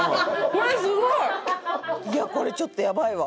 これすごい！いやこれちょっとやばいわ！